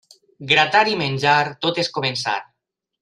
Gratar i menjar, tot és començar.